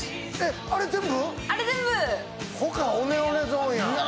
あれ全部？！